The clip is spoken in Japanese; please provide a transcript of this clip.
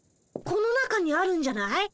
この中にあるんじゃない？